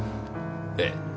ええ。